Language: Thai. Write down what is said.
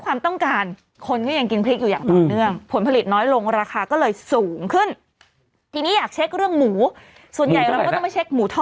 บางก่อนน่ะแต่ผมก็ชอบเกิดเข้าไปอับน้วต